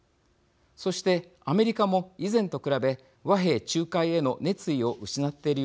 そしてアメリカも以前と比べ和平仲介への熱意を失っているように見えます。